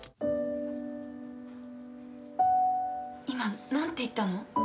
今何て言ったの？